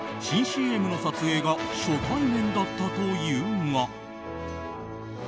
新ＣＭの撮影が初対面だったというが。